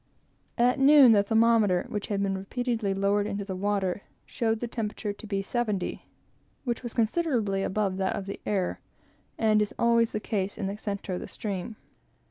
At noon, the thermometer, which had been repeatedly lowered into the water, showed the temperature to be seventy; which was considerably above that of the air, as is always the case in the centre of the Stream.